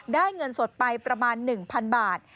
เงินสดไปประมาณ๑๐๐๐บาท